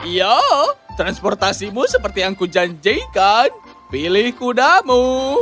ya transportasimu seperti yang kujanjikan pilih kudamu